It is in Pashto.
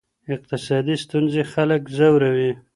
اقتصادي ستونزې خلک ځوروي.